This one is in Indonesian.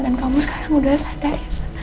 dan kamu sekarang udah sadar ya